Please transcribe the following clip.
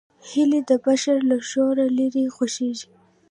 هیلۍ د بشر له شوره لیرې خوښېږي